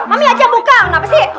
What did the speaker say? mami aja buka kenapa sih